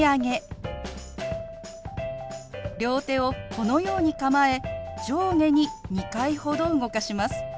両手をこのように構え上下に２回ほど動かします。